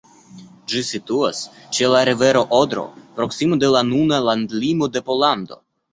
Ĝi situas ĉe la rivero Odro, proksime de la nuna landlimo de Pollando.